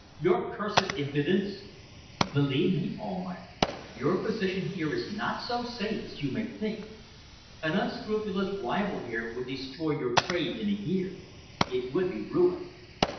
"Your cursed impudence!" "Believe me, Almayer, your position here is not so safe as you may think. An unscrupulous rival here would destroy your trade in a year. It would be ruin.